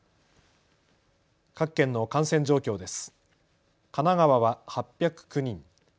各県の感染状況です。